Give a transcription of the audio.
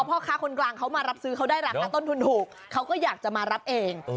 พ่อค้าคนกลางเขามารับซื้อเขาได้ราคาต้นทุนถูกเขาก็อยากจะมารับเอง